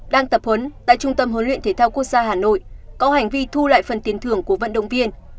đang tập huấn tại trung tâm huấn luyện thể thao quốc gia hà nội có hành vi thu lại phần tiền thưởng của vận động viên